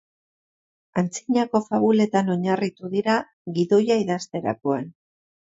Antzinako fabuletan oinarritu dira gidoia idazterakoan.